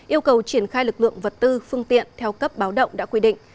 yêu cầu triển khai lực lượng vật tư phương tiện theo cấp báo động đã quy định